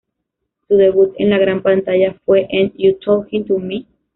Su debut en la gran pantalla fue en "You Talkin' to Me?